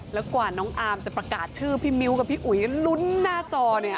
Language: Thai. แล้วกว่าน้องอาร์มจะประกาศชื่อพี่มิ้วกับพี่อุ๋ยลุ้นหน้าจอเนี่ย